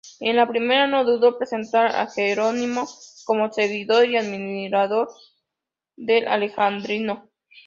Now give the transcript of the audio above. En la primera, no dudó presentar a Jerónimo como seguidor y admirador del alejandrino.